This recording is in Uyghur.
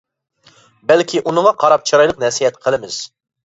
بەلكى ئۇنىڭغا قاراپ چىرايلىق نەسىھەت قىلىمىز.